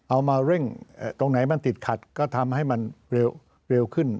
เอามาเร่งตรงไหนมันติดขัดก็ทำให้มันเร็วขึ้น